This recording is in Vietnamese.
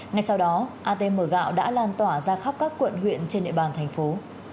ngay sau đó atm gạo đã lan tỏa ra khắp các quận huyện trên địa bàn thành phố